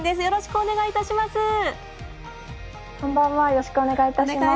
よろしくお願いします。